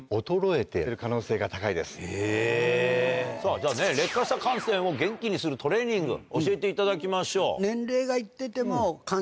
さぁじゃあね劣化した汗腺を元気にするトレーニング教えていただきましょう。